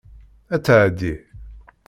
Ad tεeddi.